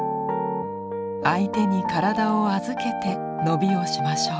相手に体を預けて伸びをしましょう。